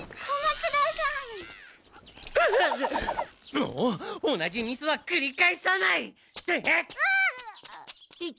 もう同じミスはくり返さない！あっ！